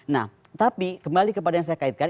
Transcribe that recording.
nah tapi kembali kepada yang saya kaitkan